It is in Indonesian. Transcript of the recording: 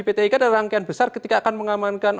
pt ika adalah rangkaian besar ketika akan mengamankan